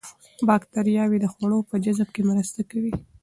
باکتریاوې د خوړو په جذب کې مرسته کوي.